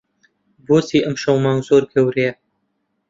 بۆچی ئەمشەو مانگ زۆر گەورەیە؟